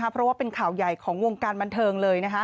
เพราะว่าเป็นข่าวใหญ่ของวงการบันเทิงเลย